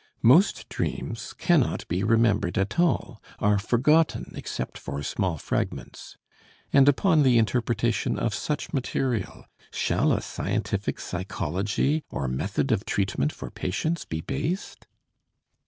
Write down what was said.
Most dreams cannot be remembered at all, are forgotten except for small fragments. And upon the interpretation of such material shall a scientific psychology or method of treatment for patients be based?